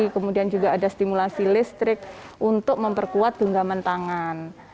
kemudian juga ada stimulasi listrik untuk memperkuat genggaman tangan